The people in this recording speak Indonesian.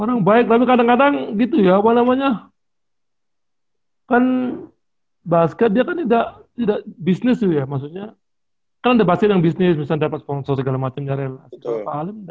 orang baik tapi kadang kadang gitu ya apa namanya kan basket dia kan tidak bisnis dulu ya maksudnya kan ada basket yang bisnis misalnya dapat sponsor segala macem dari pak halim